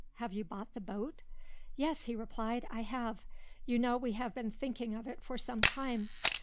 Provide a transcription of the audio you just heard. "Have you bought the boat?" "Yes," he replied, "I have. You know we have been thinking of it for some time.